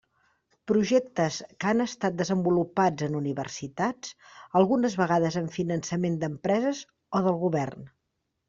Projectes que han estat desenvolupats en universitats, algunes vegades amb finançament d'empreses o del govern.